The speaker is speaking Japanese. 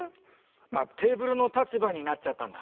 あっテーブルの立場になっちゃったんだ。